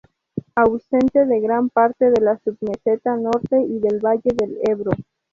Ausente de gran parte de la submeseta norte y del valle del Ebro.